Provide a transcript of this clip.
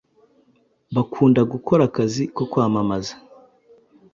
bakunda gukora akazi ko kwamamaza